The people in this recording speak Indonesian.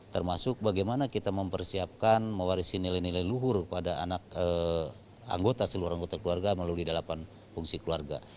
termasuk bagaimana kita mempersiapkan mewarisi nilai nilai luhur pada anak anggota seluruh anggota keluarga melalui delapan fungsi keluarga